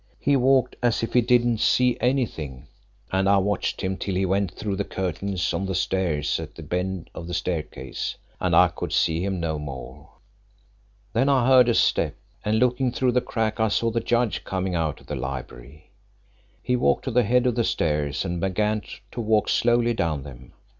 He walked as if he didn't see anything, and I watched him till he went through the curtains on the stairs at the bend of the staircase and I could see him no more. "Then I heard a step, and looking through the crack I saw the judge coming out of the library. He walked to the head of the stairs and began to walk slowly down them.